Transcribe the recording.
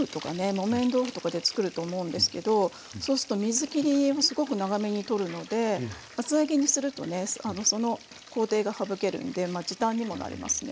木綿豆腐とかでつくると思うんですけどそうすると水切りをすごく長めに取るので厚揚げにするとねその工程が省けるんでまあ時短にもなりますね。